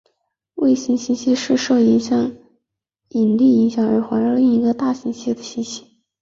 卫星星系是受到引力影响而环绕另一个大星系的星系。